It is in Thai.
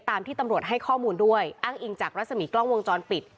ตามที่ตำรวจให้ข้อมูลด้วยอ้างอิงจากรัศมีกล้องวงจรปิด